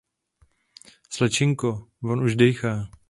Slečinko, von už dejchá.